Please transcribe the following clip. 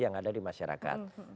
yang ada di masyarakat